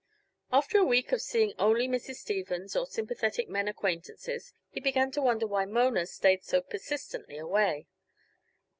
After a week of seeing only Mrs. Stevens or sympathetic men acquaintances, he began to wonder why Mona stayed so persistently away.